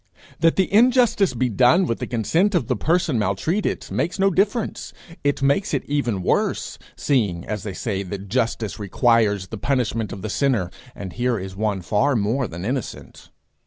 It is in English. That the injustice be done with the consent of the person maltreated makes no difference: it makes it even worse, seeing, as they say, that justice requires the punishment of the sinner, and here is one far more than innocent.